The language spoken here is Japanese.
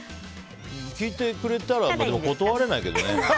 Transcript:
聞いてくれたら断れないけどね。